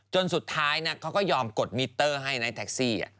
จนสุดท้ายเขาก็ยอมกดมิเตอร์ให้ในแท็กซี่